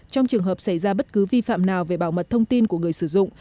trong trường hợp xảy ra bất cứ vi phạm nào về bảo mật thông tin của người sử dụng